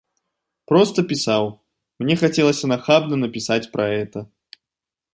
Проста пісаў, мне хацелася нахабна напісаць пра гэта.